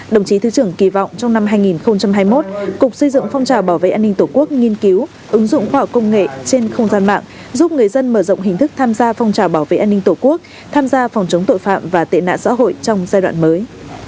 đồng chí thứ trưởng kỳ vọng trong năm hai nghìn hai mươi một cục xây dựng phong trào bảo vệ an ninh tổ quốc nghiên cứu ứng dụng khoa học công nghệ trên không gian mạng giúp người dân mở rộng hình thức tham gia phong trào bảo vệ an ninh tổ quốc tham gia phòng chống tội phạm và tệ nạn xã hội trong giai đoạn mới